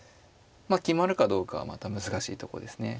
まあ決まるかどうかはまた難しいとこですね。